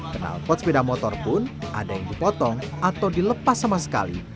kenalpot sepeda motor pun ada yang dipotong atau dilepas sama sekali